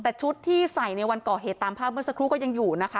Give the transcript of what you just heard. แต่ชุดที่ใส่ในวันก่อเหตุตามภาพเมื่อสักครู่ก็ยังอยู่นะคะ